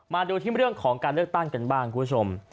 มาดูที่เรื่องของการเลือกตั้งกันบ้างคุณผู้ชม